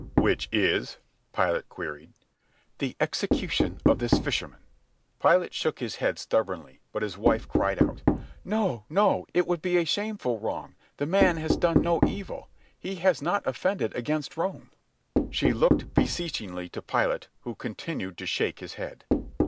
"Which is?" Pilate queried. "The execution of this fisherman." Pilate shook his head stubbornly, but his wife cried out: "No! No! It would be a shameful wrong. The man has done no evil. He has not offended against Rome." She looked beseechingly to Pilate, who continued to shake his head.